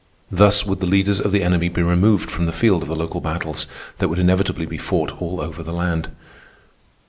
Thus would the leaders of the enemy be removed from the field of the local battles that would inevitably be fought all over the land.